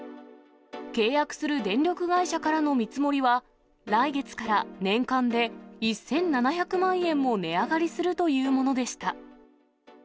契約する電力会社からの見積もりは、来月から年間で１７００万円も値上がりするというものでした。